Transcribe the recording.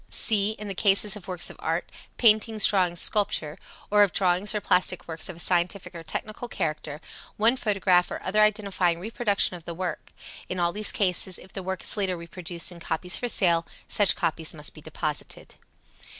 (c) In the case of works of art (paintings, drawings, sculpture), or of drawings or plastic works of a scientific or technical character, one photograph or other identifying reproduction of the work. In all these cases, if the work is later reproduced in copies for sale, such copies must be deposited.